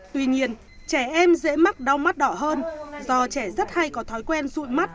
tuy nhiên trẻ em dễ mắc đau mắt đỏ hơn do trẻ rất hay có thói quen sụi mắt